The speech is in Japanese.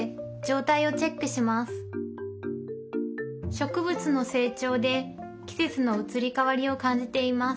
植物の成長で季節の移り変わりを感じています